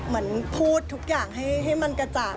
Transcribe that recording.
เหมือนพูดทุกอย่างให้มันกระจ่าง